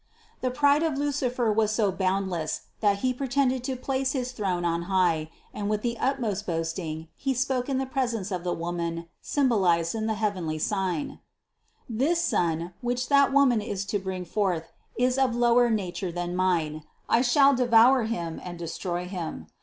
The pride of Lucifer was so boundless that he pretended to place his throne on high, and with the utmost boasting he spoke in presence of the Woman symbolized in the heavenly sign : "This Son, which that Woman is to bring forth, is of lower nature than mine : I shall devour Him and destroy Him.